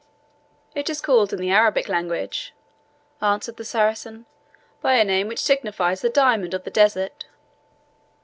"It is called in the Arabic language," answered the Saracen, "by a name which signifies the Diamond of the Desert."